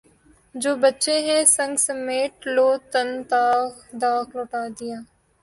جو بچے ہیں سنگ سمیٹ لو تن داغ داغ لٹا دیا